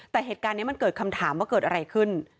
แต่เหตุการณ์นี้มันเกิดคำถามว่าเกิดอะไรขึ้น